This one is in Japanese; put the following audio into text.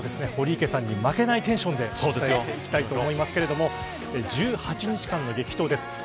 堀池さんに負けないテンションでいきたいと思いますけれど１８日間の激闘です。